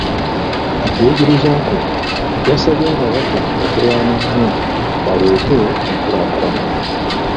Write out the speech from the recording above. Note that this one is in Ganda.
Mu kuyigiriza kwe, yasabye ababaka okulwana ennyo baleete enkulaakulana.